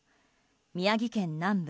宮城県南部